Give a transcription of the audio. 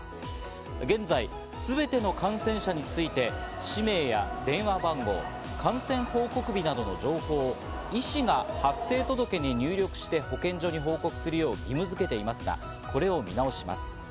現在、全ての感染者について、氏名や電話番号、感染報告日などの情報を医師が発生届に入力して保健所に報告するよう義務づけていますが、これを見直します。